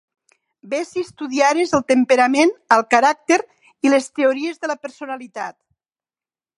Bé si estudiares el temperament, el caràcter i les teories de la personalitat